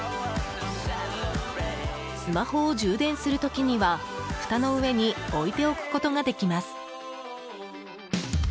スマホを充電する時にはふたの上に置いておくことができます。